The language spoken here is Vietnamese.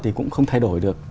thì cũng không thay đổi được